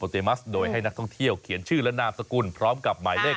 โอดิชันเพียงว่าสัตว์ปิดเขาเยอะ